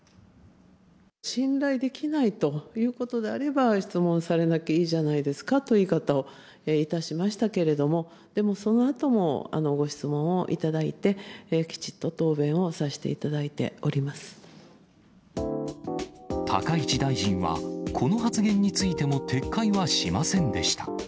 信頼できないということであれば、質問されなきゃいいじゃないですかという言い方をいたしましたけれども、でもそのあともご質問をいただいて、きちっと答弁をさせていただ高市大臣は、この発言についても撤回はしませんでした。